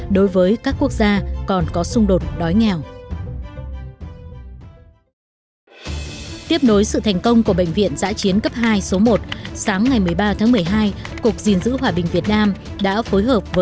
đối với các quốc gia còn có xung đột đói nghèo